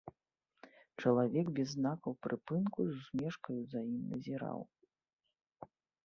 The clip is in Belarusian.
Чалавек без знакаў прыпынку з усмешкаю за ім назіраў.